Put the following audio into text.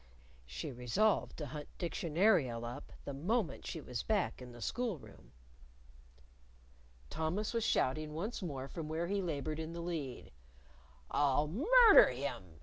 (She resolved to hunt Dictionarial up the moment she was back in the school room.) Thomas was shouting once more from where he labored in the lead. "I'll murder him!"